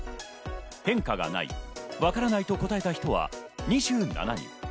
変化がない、わからないと答えた人は２７人。